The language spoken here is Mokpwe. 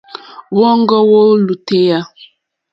Wɔ́ɔ̌ŋɡɔ́ wó lùtèyà.